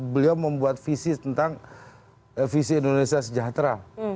beliau membuat visi tentang visi indonesia sejahtera